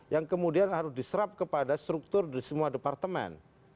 yang kemudian harus diserap kepada struktur di semua departemen